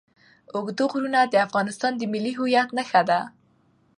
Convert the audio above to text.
اوږده غرونه د افغانستان د ملي هویت نښه ده.